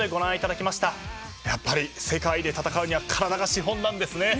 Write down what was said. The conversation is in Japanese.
やっぱり世界で戦うには体が資本なんですね。